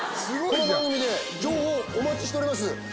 この番組で情報お待ちしております。